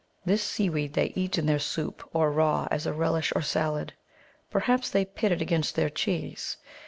This seaweed they eat in their soup, or raw, as a relish or salad. Perhaps they pit it against their cheese.